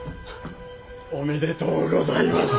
おめでとうございます。